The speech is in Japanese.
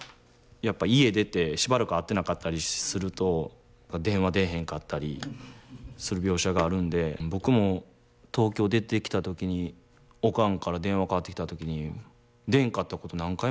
やっぱ家出てしばらく会ってなかったりすると電話出えへんかったりする描写があるんで僕も東京出てきた時におかんから電話かかってきた時に出んかったこと何回もありますもんね。